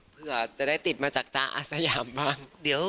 เพื่อจะได้ติดมาจากจ๊ะอาสยามบ้าง